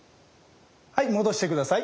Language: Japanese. はい戻して下さい。